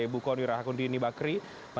bukoni rahakunti nibakri